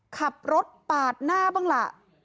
ขับรถปาดหน้าบ้างล่ะ